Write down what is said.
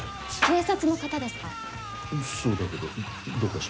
警察の方ですか？